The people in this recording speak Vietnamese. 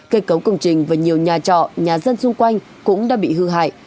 cây cấu công trình và nhiều nhà trọ nhà dân xung quanh cũng đã bị hư hại